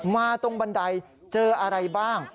มาตรงบันไดเจออะไรบ้าง